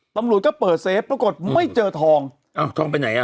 ตำรวจก็เปิดเซฟปรากฏไม่เจอทองอ้าวทองไปไหนอ่ะ